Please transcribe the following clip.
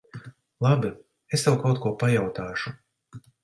Labi. Es tev kaut ko pajautāšu.